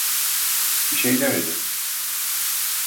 Bir şey demedi.